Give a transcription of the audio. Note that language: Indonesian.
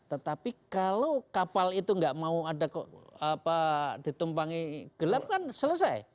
tetapi kalau kapal itu nggak mau ada ditumpangi gelap kan selesai